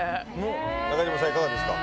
中島さん、いかがですか。